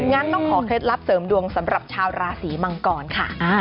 งั้นต้องขอเคล็ดลับเสริมดวงสำหรับชาวราศีมังกรค่ะ